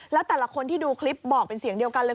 แล้วแต่ละคนที่ดูคลิปบอกเป็นเสียงเดียวกันเลย